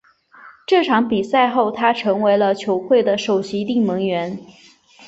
这场比赛后他成为了球会的首席定门员。